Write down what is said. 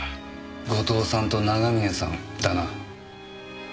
後藤さんと長峰さんだな。